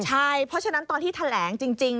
ใช่เพราะฉะนั้นตอนที่แถลงจริง